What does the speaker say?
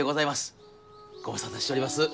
ご無沙汰しちょります。